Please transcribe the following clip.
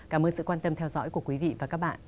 cảm ơn sự quan tâm theo dõi của quý vị và các bạn